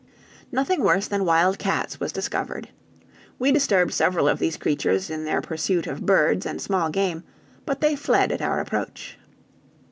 Nothing worse than wild cats was discovered. We disturbed several of these creatures in their pursuit of birds and small game, but they fled at our approach.